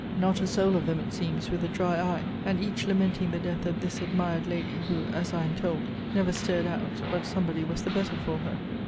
Not a soul of them, it seems, with a dry eye, and each lamenting the death of this admired lady, who, as I am told, never stirred out, but somebody was the better for her.